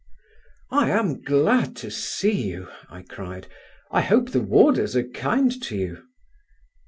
"I am glad to see you," I cried. "I hope the warders are kind to you?"